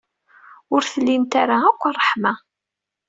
Ur tlimt ara akk ṛṛeḥma.